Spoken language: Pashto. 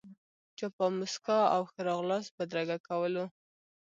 چا په موسکا او ښه راغلاست بدرګه کولو.